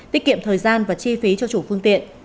tiết kiệm thời gian và chi phí cho chủ phương tiện